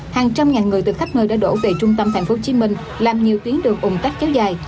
hàng trăm ngàn người từ khắp nơi đã đổ về trung tâm tp hcm làm nhiều tuyến đường ủng tắc kéo dài